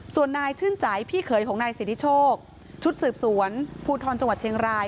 ส่วนนายชื่นใจพี่เขยของนายสิทธิโชคชุดสืบสวนภูทรจังหวัดเชียงราย